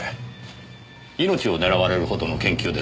命を狙われるほどの研究ですからねぇ。